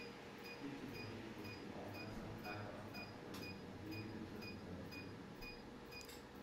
Mit dem Bericht wurde die Aufmerksamkeit auf die aktuellen Probleme der Dritten Welt gelenkt.